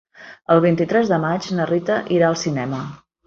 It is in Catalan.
El vint-i-tres de maig na Rita irà al cinema.